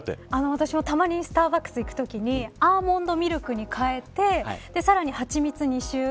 私も、たまにスターバックスに行くときにアーモンドミルクに変えてさらに蜂蜜２周。